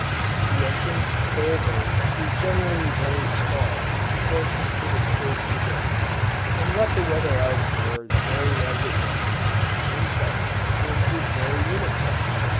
The entrance to their abode is generally very small in proportion to the space within; and let the weather out of doors vary as it may, the inside temperature is very uniform.